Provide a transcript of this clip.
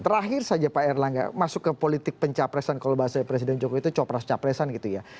terakhir saja pak erlangga masuk ke politik pencapresan kalau bahasa presiden jokowi itu copras capresan gitu ya